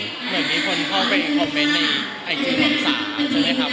เหมือนมีคนเข้าไปคอมเมนต์ในไอจีของศาลใช่ไหมครับ